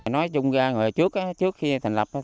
nói chung là trước khi thành lập